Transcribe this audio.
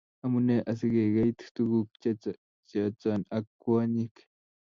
Amune asikekeit tuguk cheyachen ak kwonyik